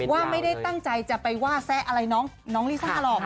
ว่าไม่ได้ตั้งใจจะไปว่าแซะอะไรน้องลิซ่าหรอก